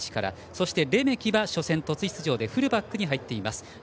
そしてレメキは初戦初出場でフルバックに入っています。